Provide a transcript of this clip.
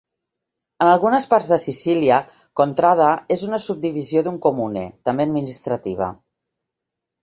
En algunes parts de Sicília, "contrada" és una subdivisió d'un Comune, també administrativa.